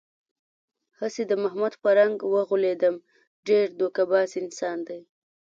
هسې د محمود په رنگ و غولېدم، ډېر دوکه باز انسان دی.